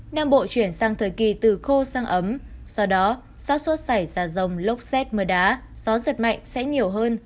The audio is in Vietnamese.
nam bộ chuyển sang thời kỳ từ khô sang ấm do đó sát xuất xảy ra rông lốc xét mưa đá gió giật mạnh sẽ nhiều hơn